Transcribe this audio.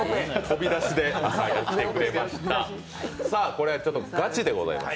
これはガチでございます。